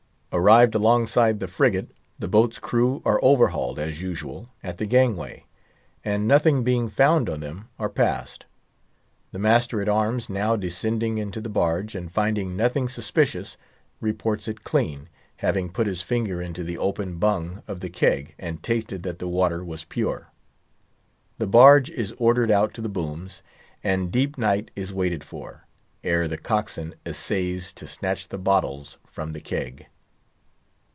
Arrived alongside the frigate, the boat's crew are overhauled, as usual, at the gangway; and nothing being found on them, are passed. The master at arms now descending into the barge, and finding nothing suspicious, reports it clean, having put his finger into the open bung of the keg and tasted that the water was pure. The barge is ordered out to the booms, and deep night is waited for, ere the cockswain essays to snatch the bottles from the keg.